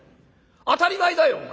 当たり前だよお前。